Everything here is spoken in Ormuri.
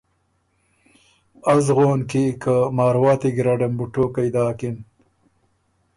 از غون کی که مارواتی ګیرډه م بُو ټوقئ داکِن